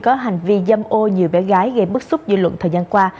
có hành vi dâm ô nhiều bé gái gây bức xúc dư luận thời gian qua